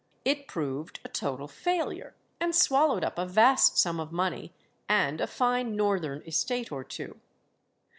It proved a total failure, and swallowed up a vast sum of money and a fine northern estate or two.